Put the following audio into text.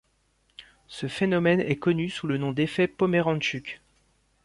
Ce phénomène est connu sous le nom d'effet Pomeranchuk.